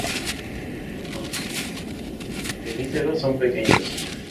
Los quelíceros son pequeños.